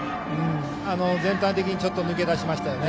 全体的にちょっと抜け出しましたよね。